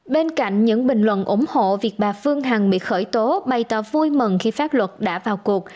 bên cạnh những bình luận ủng hộ việc bà phương hằng bị khởi tố bày tỏ vui mừng khi pháp luật đã vào cuộc